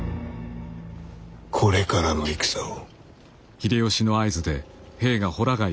これからの戦を。